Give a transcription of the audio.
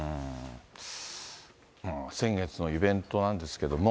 先月のイベントなんですけども。